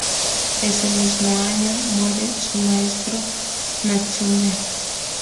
Ese mismo año, muere su maestro Natsume.